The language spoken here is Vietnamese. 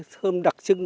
thơm đặc trưng